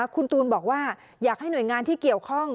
คุณตูนบอกว่าอยากให้หน่วยงานที่เกี่ยวข้อง